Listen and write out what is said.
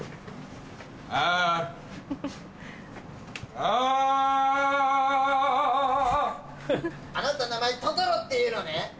あなた名前トトロっていうのね？